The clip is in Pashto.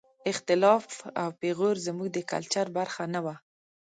اختلاف او پېغور زموږ د کلچر برخه نه وه.